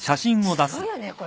すごいよねこれ。